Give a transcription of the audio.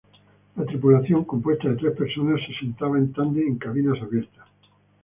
La tripulación, compuesta de tres personas, se sentaba en tándem en cabinas abiertas.